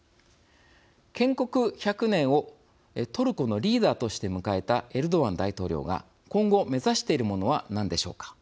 建国１００年をトルコのリーダーとして迎えたエルドアン大統領が今後目指しているものは何でしょうか。